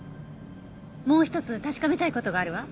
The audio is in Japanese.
もう一つ確かめたい事があるわ。